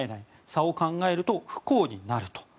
差を考えると不幸になる。